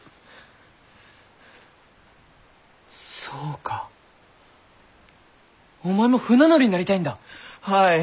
そうかお前も船乗りになりたいんだ！